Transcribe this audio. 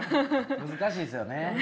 難しいですよね。